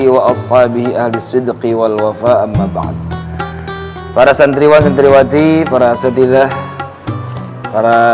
wa ashabihi ahli swidqi wal wafa'an ma ba'ad para santriwan dan terwati para setidak para